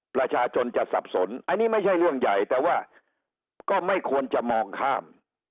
ประชาชนจะสับสนอันนี้ไม่ใช่เรื่องใหญ่แต่ว่าก็ไม่ควรจะมองข้าม